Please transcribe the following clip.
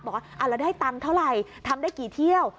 บอกว่าเราได้ตังค์เท่าไหร่ทำได้กี่เที่ยว